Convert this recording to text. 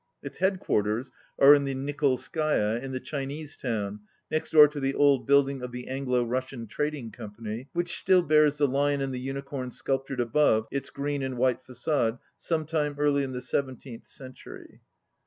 Its headquarters are in the Nikol skaya, in the Chinese town, next door to the old building of the Anglo Russian Trading Company, which still bears the Lion and the Unicorn sculp tured above its green and white fagade some time early in the seventeenth century.